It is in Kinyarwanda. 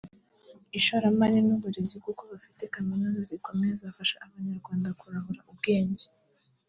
ishoramari n’uburezi kuko bafite kaminuza zikomeye zafasha Abanyarwanda kurahura ubwenge